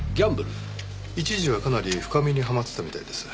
一時はかなり深みにはまってたみたいです。